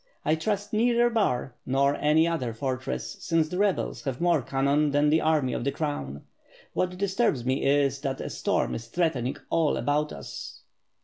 I trust neither Bar nor any other fortress since the rebels have more cannon than the army of the Crown. What disturbs me is, that a storm is threatening all about us."